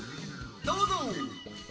どうぞ！